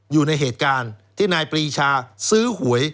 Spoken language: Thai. อยู่ในเหตุการณ์ที่นายปรีชาซื้อหวย